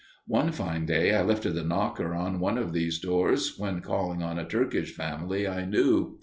One fine day I lifted the knocker on one of these doors when calling on a Turkish family I knew.